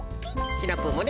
シナプーもね。